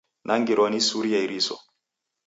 Nangilwa ni suri ya iriso.